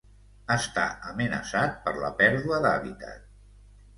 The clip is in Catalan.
Està amenaçat per la pèrdua d'hàbitat.